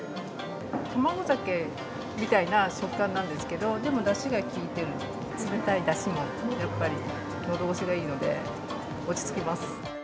卵酒みたいな食感なんですけど、でも、だしが効いてる、冷たいだしもやっぱり、のどごしがいいので落ち着きます。